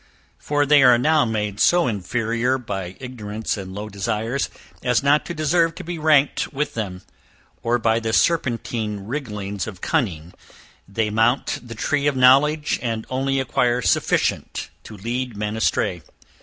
For they are now made so inferiour by ignorance and low desires, as not to deserve to be ranked with them; or, by the serpentine wrigglings of cunning they mount the tree of knowledge and only acquire sufficient to lead men astray.